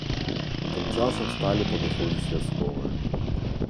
А тым часам сталі падыходзіць вясковыя.